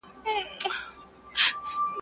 ماجت د گوزو ځاى نه دئ.